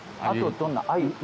あとどんなアユ？